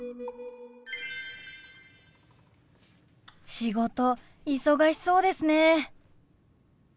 仕事忙しそうですね。